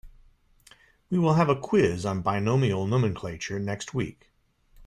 We will have a quiz on binomial nomenclature next week.